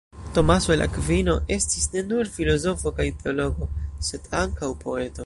Tomaso el Akvino estis ne nur filozofo kaj teologo, sed ankaŭ poeto.